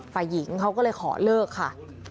ฝ่ายหญิงเขาก็เลยขอเลิกค่ะ